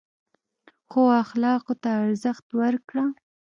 ښو اخلاقو ته ارزښت ورکړه.